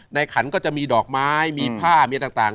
ขันก็จะมีดอกไม้มีผ้ามีต่าง